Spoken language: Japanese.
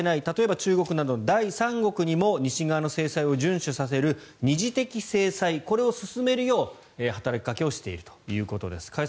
例えば、中国などの第三国にも西側の制裁を順守させる二次的制裁これを進めるよう働きかけをしているということです。